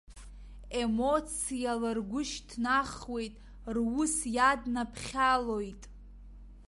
Емоциала ргәы шьҭнахуеит, рус иаднаԥхьалоит.